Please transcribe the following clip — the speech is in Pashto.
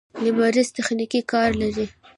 لمریزې تختې کار لري.